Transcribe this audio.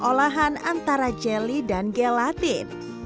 olahan antara jelly dan gelatin